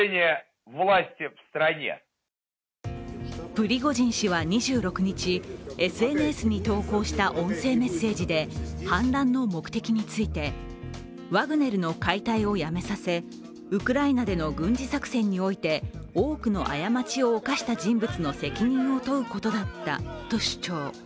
プリゴジン氏は２６日、ＳＮＳに投稿した音声メッセージで反乱の目的について、ワグネルの解体をやめさせ、ウクライナでの軍事作戦において多くの過ちを犯した人物の責任を問うことだったと主張。